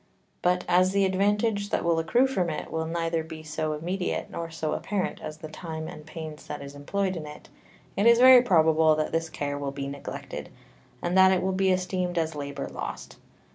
But as the Advantage that will accrue from it will neither be so immediate, nor so apparent as the Time and Pains that is employ'd in it; it is very probable that this Care will be neglected, and that it will be esteem'd as Labour lost.